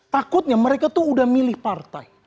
takutnya mereka tuh udah milih partai